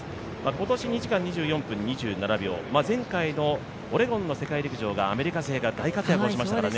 今年２時間２４分２７秒、前回のオレゴンの世界陸上がアメリカ勢が大活躍をしましたからね。